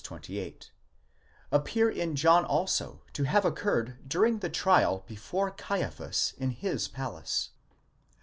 28), appear in John also to have occurred during the trial before Caiaphas and in his palace.